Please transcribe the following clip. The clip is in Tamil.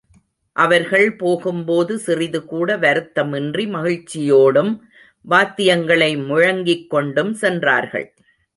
அவர்கள் போகும் போது சிறிது கூட வருத்தமின்றி மகிழ்ச்சியோடும், வாத்தியங்களை முழங்கிக் கொண்டும் சென்றார்கள்.